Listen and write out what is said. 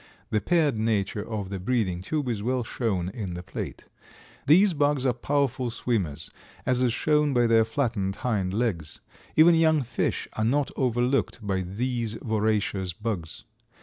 The paired nature of the breathing tube is well shown in the plate. These bugs are powerful swimmers, as is shown by their flattened hind legs. Even young fish are not overlooked by these voracious bugs.